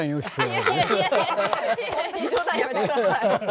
本当に冗談やめてください。